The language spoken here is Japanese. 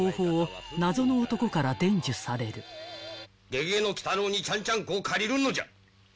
「ゲゲゲの鬼太郎にちゃんちゃんこを借りるのじゃ」